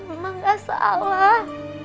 emak nggak salah